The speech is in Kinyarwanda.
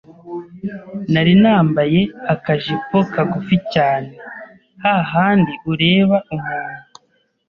nari nambaye akajipo kagufi cyane hahandi ureba umuntu